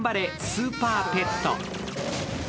スーパーペット」。